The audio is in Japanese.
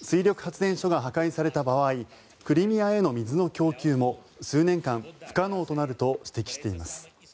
水力発電所が破壊された場合クリミアへの水の供給も数年間、不可能となると指摘しています。